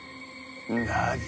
なぜ？